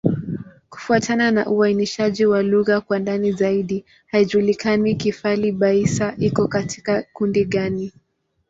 Kufuatana na uainishaji wa lugha kwa ndani zaidi, haijulikani Kifali-Baissa iko katika kundi gani.